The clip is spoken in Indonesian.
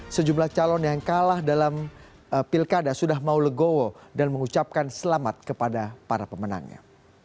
sejumlah calon yang kalah dalam pilkada sudah mau legowo dan mengucapkan selamat kepada para pemenangnya